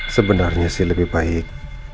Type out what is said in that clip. sebenarnya sih lebih baik